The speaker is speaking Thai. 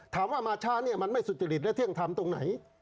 มาช้าเนี่ยมันไม่สุจริตและเที่ยงธรรมตรงไหน